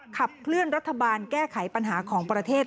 ขับเคลื่อนรัฐบาลแก้ไขปัญหาของประเทศ